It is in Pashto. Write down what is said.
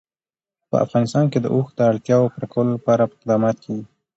په افغانستان کې د اوښ د اړتیاوو پوره کولو لپاره اقدامات کېږي.